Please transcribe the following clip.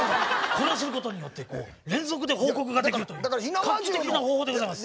これをすることによって連続で報告ができるという画期的な方法でございます。